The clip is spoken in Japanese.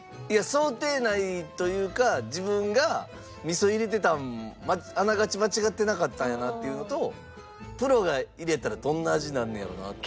いや想定内というか自分が味噌入れてたんあながち間違ってなかったんやなっていうのとプロが入れたらどんな味になんねやろうな？